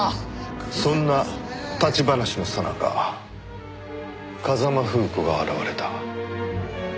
そんな立ち話のさなか風間楓子が現れた。